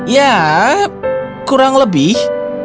ya kurang lebih